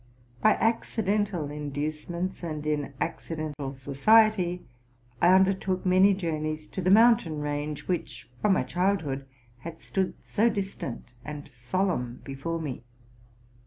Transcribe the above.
By accidental inducements and in 'accidental society I undertook many journeys to the mountain range, which, from my childhood, had stood so distant and solemn before me.